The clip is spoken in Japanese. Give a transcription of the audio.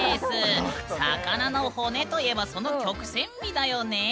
魚の骨といえば曲線美だよね。